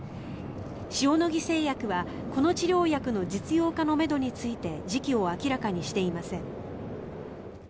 塩野義製薬はこの治療薬の実用化のめどについて時期を明らかにしていません。